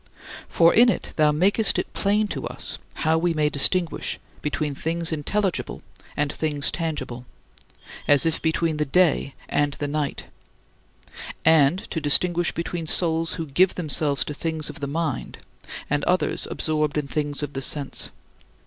For in it thou makest it plain to us how we may distinguish between things intelligible and things tangible, as if between the day and the night and to distinguish between souls who give themselves to things of the mind and others absorbed in things of sense.